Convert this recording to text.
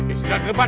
istirahat ke depan